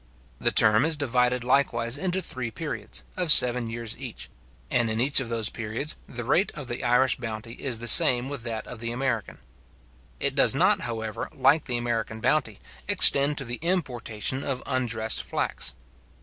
The term is divided likewise into three periods, of seven years each; and in each of those periods, the rate of the Irish bounty is the same with that of the American. It does not, however, like the American bounty, extend to the importation of undressed flax.